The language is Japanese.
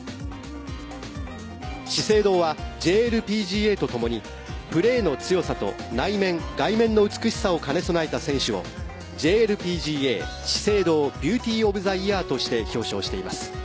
資生堂はＪＬＰＧＡとともにプレーの強さと内面・外面の美しさを兼ね備えた選手をＪＬＰＧＡＳＨＩＳＥＩＤＯＢｅａｕｔｙｏｆｔｈｅＹｅａｒとして表彰しています。